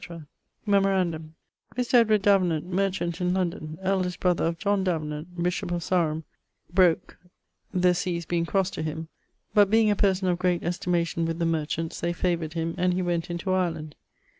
Memorandum: Mr. Davenant, merchant in London, eldest brother of John Davenant, bishop of Sarum, broke (the seas being crosse to him); but being a person of great estimation with the merchants, they favoured him, and he went into Ireland.